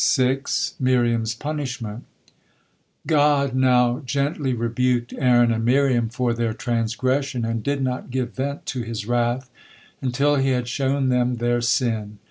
MIRIAM'S PUNISHMENT God now gently rebuked Aaron and Miriam for their transgression, and did not give vent to His wrath until He had shown them their sin.